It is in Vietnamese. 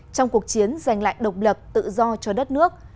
trong cuộc chiến giành lại độc lập tự do cho đất nước